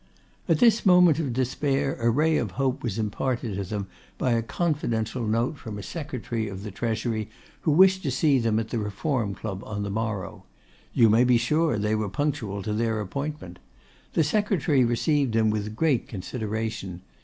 At this moment of despair, a ray of hope was imparted to them by a confidential note from a secretary of the Treasury, who wished to see them at the Reform Club on the morrow. You may be sure they were punctual to their appointment. The secretary received them with great consideration.